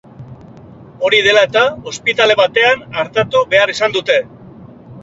Hori dela eta, ospitale batean artatu behar izan dute.